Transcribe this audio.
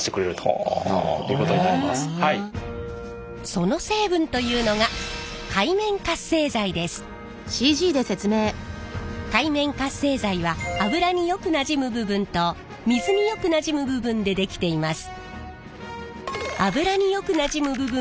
その成分というのが界面活性剤は油によくなじむ部分と水によくなじむ部分でできています。